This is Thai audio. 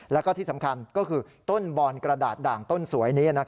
แล้วก็ที่สำคัญก็คือต้นบอนกระดาษด่างต้นสวยนี้